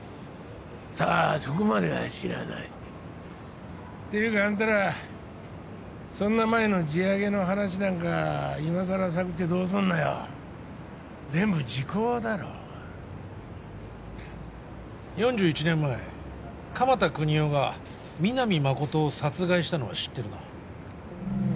さあそこまでは知らないていうかあんたらそんな前の地上げの話なんか今さら探ってどうすんのよ全部時効だろう４１年前鎌田國士が皆実誠を殺害したのは知ってるな？